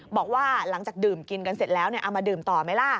บอกว่าหลังจากดื่มกินกันเสร็จแล้วเอามาดื่มต่อไหมล่ะ